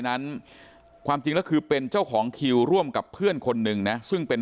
นั้นความจริงแล้วคือเป็นเจ้าของคิวร่วมกับเพื่อนคนหนึ่งนะซึ่งเป็น